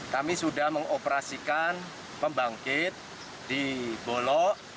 kami sudah mengoperasikan pembangkit di bolok